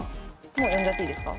もう呼んじゃっていいですか？